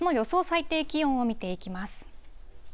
最低気温を見ていきます。